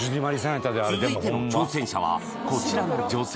続いての挑戦者はこちらの女性